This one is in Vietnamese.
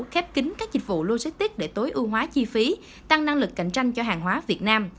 khép kính các dịch vụ logistics để tối ưu hóa chi phí tăng năng lực cạnh tranh cho hàng hóa việt nam